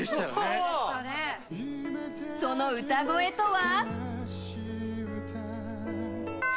その歌声とは？